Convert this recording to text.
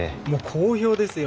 好評ですよ。